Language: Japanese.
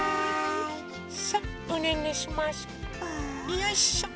よいしょ。